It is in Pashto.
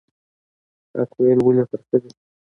حق ویل ولې ترخه دي؟